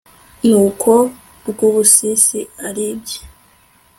Nuko Rwubusisi abirebye